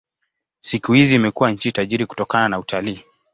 Siku hizi imekuwa nchi tajiri kutokana na utalii.